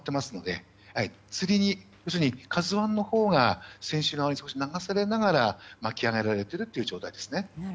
「ＫＡＺＵ１」のほうが船首側に少し流されながら巻き上げられているという状態ですね。